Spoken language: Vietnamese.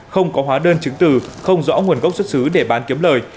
không có hóa đơn chứng từ không rõ nguồn gốc xuất xứ để bán kiếm lời